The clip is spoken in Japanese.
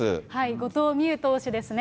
後藤希友投手ですね。